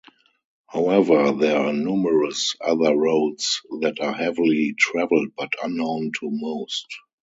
However, there are numerous other roads that are heavily traveled but unknown to most.